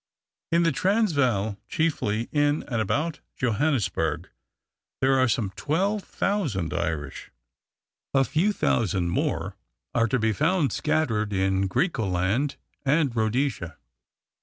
In the Transvaal, chiefly in and about Johannesburg, there are some 12,000 Irish. A few thousand more are to be found scattered in Griqualand and Rhodesia.